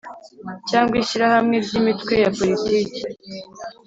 cyangwa Ishyirahamwe ry Imitwe ya Politiki